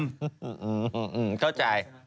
อืมเข้าใจ